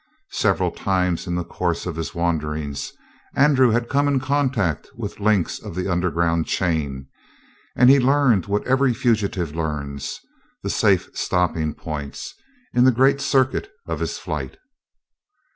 Several times in the course of his wanderings Andrew had come in contact with links of the underground chain, and he learned what every fugitive learns the safe stopping points in the great circuit of his flight.